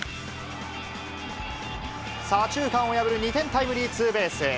左中間を破る２点タイムリーツーベース。